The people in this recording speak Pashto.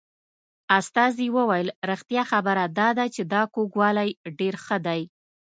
استازي وویل رښتیا خبره دا ده چې دا کوږوالی ډېر ښه دی.